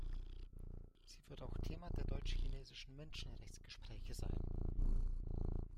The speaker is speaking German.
Sie wird auch Thema der deutsch-chinesischen Menschenrechtsgespräche sein.